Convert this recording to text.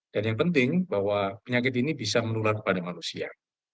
dan yang penting bahwa penyakit ini bisa menular kepada manusia